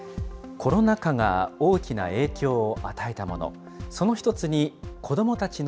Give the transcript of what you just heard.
コロナ禍が大きな影響を与えたもの。